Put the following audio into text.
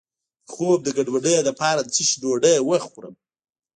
د خوب د ګډوډۍ لپاره د څه شي ډوډۍ وخورم؟